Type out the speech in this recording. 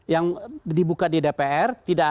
yang dibuka di dpr